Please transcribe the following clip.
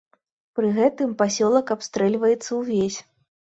Пры гэтым пасёлак абстрэльваецца ўвесь.